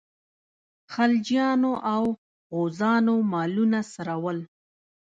خلجیانو او غوزانو مالونه څرول.